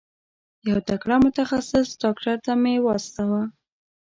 یو تکړه متخصص ډاکټر ته مي واستوه.